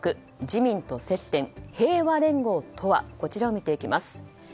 自民と接点、平和連合とはを見ていきます。